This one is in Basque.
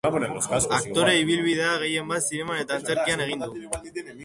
Aktore ibilbidea gehienbat zineman eta antzerkian egin du.